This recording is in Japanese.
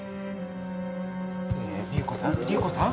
ねえ流子さん流子さん？